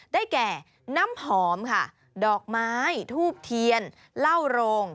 ได้แก่น้ำหอมดอกไม้ทูบเทียนล่าวโรง